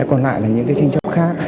còn lại là những tranh chấp khác